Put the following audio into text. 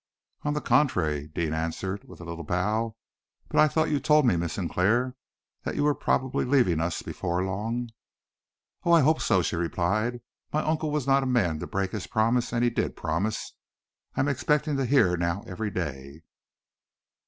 "On the contrary," Deane answered, with a little bow. "But I thought you told me, Miss Sinclair, that you were probably leaving us before long." "Oh, I hope so!" she replied. "My uncle was not a man to break his promise, and he did promise. I am expecting to hear now every day."